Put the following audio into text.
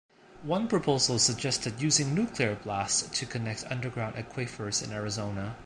One proposal suggested using nuclear blasts to connect underground aquifers in Arizona.